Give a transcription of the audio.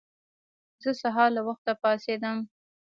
زه سهار له وخته پاڅيږم.